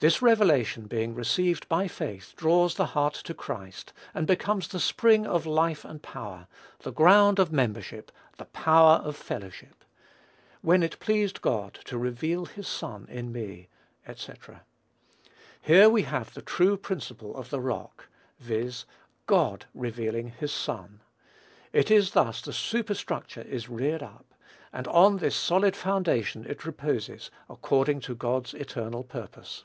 This revelation being received by faith, draws the heart to Christ, and becomes the spring of life and power, the ground of membership, the power of fellowship. "When it pleased God ... to reveal his Son in me," &c. Here we have the true principle of "the rock," viz., God revealing his Son. It is thus the superstructure is reared up; and on this solid foundation it reposes, according to God's eternal purpose.